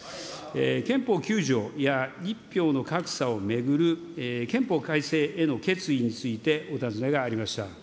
憲法９条や１票の格差を巡る憲法改正への決意についてお尋ねがありました。